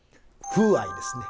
風合いですね。